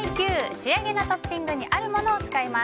仕上げのトッピングにあるものを使います。